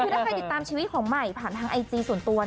คือถ้าใครติดตามชีวิตของใหม่ผ่านทางไอจีส่วนตัว